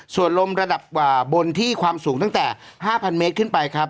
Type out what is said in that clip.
ส่วนลมระดับกว่าบนที่ความสูงตั้งแต่๕๐๐เมตรขึ้นไปครับ